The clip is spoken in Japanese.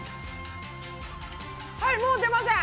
はいもう出ません。